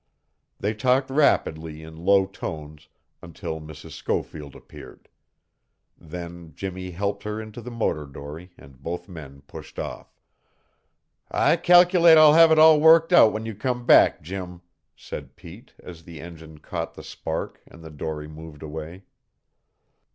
They talked rapidly in low tones until Mrs. Schofield appeared; then Jimmie helped her into the motor dory and both men pushed off. "I cal'late I'll have it all worked out when you come back, Jim," said Pete as the engine caught the spark and the dory moved away.